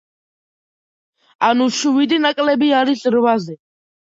ანუ შვიდი ნაკლები არის რვაზე.